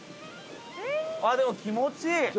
でも気持ちいい。